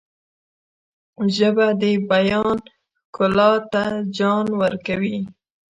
ژبه د بیان ښکلا ته جان ورکوي